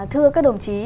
thưa các đồng chí